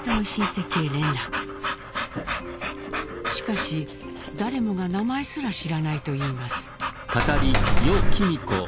しかし誰もが名前すら知らないといいます。